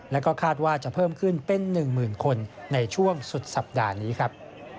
แล้วก็คาดว่าจะเพิ่มขึ้นเป็น๑๐๐๐คนในช่วงสุดสัปดาห์นี้ครับ